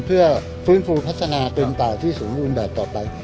เพื่อฟื้นฟูพัฒนาเป็นป่าที่สมบูรณ์แบบต่อไป